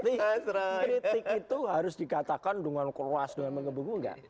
tidak mesti kritik itu harus dikatakan dengan keras dengan mengebungu enggak